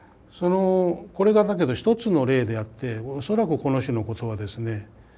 これがだけど一つの例であって恐らくこの種のことはですね